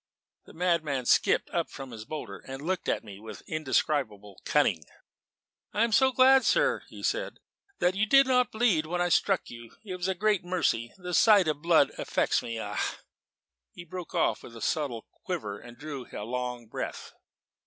The madman skipped up from his boulder, and looked at me with indescribable cunning. "I am so glad, sir," he said, "that you did not bleed when I struck you; it was a great mercy. The sight of blood affects me ah!" he broke off with a subtle quiver and drew a long breath.